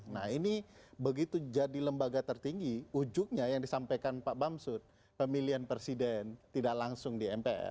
nah ini begitu jadi lembaga tertinggi ujungnya yang disampaikan pak bamsud pemilihan presiden tidak langsung di mpr